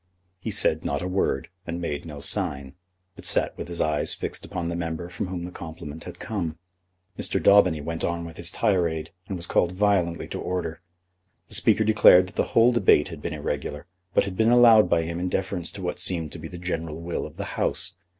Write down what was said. He said not a word, and made no sign, but sat with his eyes fixed upon the member from whom the compliment had come. Mr. Daubeny went on with his tirade, and was called violently to order. The Speaker declared that the whole debate had been irregular, but had been allowed by him in deference to what seemed to be the general will of the House.